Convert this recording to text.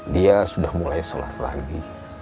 dia sudah mulai sholat lagi